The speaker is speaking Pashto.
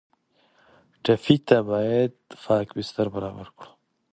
ټپي ته باید پاک بستر برابر کړو.